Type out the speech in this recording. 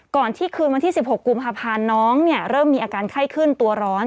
ที่คืนวันที่๑๖กุมภาพันธ์น้องเริ่มมีอาการไข้ขึ้นตัวร้อน